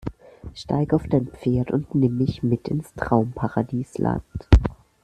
Steig auf dein Pferd und nimm mich mit ins Traumparadisland.